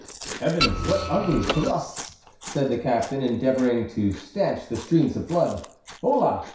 "Heavens! what ugly thrusts," said the captain, endeavoring to stanch the streams of blood. "Holá!